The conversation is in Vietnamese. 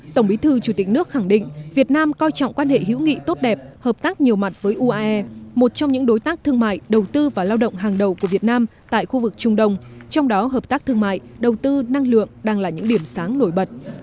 tổng bí thư chủ tịch nước khẳng định việt nam coi trọng quan hệ hữu nghị tốt đẹp hợp tác nhiều mặt với uae một trong những đối tác thương mại đầu tư và lao động hàng đầu của việt nam tại khu vực trung đông trong đó hợp tác thương mại đầu tư năng lượng đang là những điểm sáng nổi bật